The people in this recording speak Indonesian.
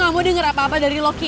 gue gak mau denger apa apa dari loki